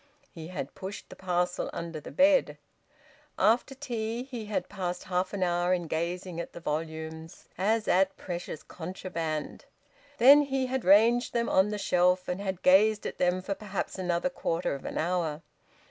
He had pushed the parcel under the bed. After tea, he had passed half an hour in gazing at the volumes, as at precious contraband. Then he had ranged them on the shelf, and had gazed at them for perhaps another quarter of an hour.